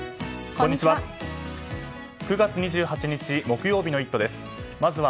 こんにちは。